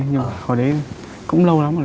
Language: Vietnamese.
nhưng mà hồi đấy cũng lâu lắm rồi đó